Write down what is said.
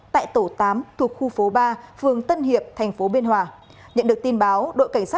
tại tổ tám thuộc khu phố ba phường tân hiệp thành phố biên hòa